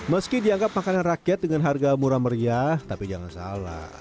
meski dianggap makanan rakyat dengan harga murah meriah tapi jangan salah